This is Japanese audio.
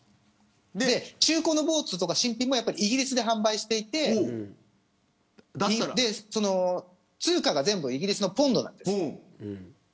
中古のボートとか新品もイギリスて販売していて通貨が全部イギリスのポンドだったんです。